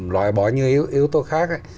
loại bỏ những yếu tố khác